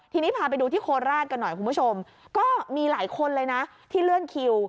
ทีนี้พาไปดูที่โคราชกันหน่อยคุณผู้ชมก็มีหลายคนเลยนะที่เลื่อนคิว